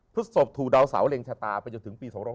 พฤศพถูกดาวเสาเล็งชะตาไปจนถึงปี๒๕๖๒